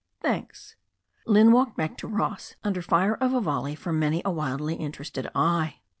"Thanks." Lynne walked back to Ross under fire of a volley from many a wildly interested eye.